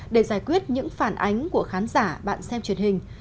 để giải quyết những phản ánh của khán giả bạn xem truyền hình